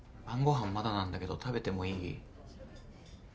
晩ご飯まだなんだけど食べてもいい？